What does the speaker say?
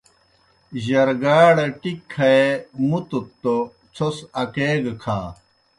جرگاڑ ٹِکیْ کھیے مُتَت توْ څھوْس اکے گہ کھا۔